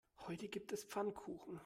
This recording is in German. Heute gibt es Pfannkuchen.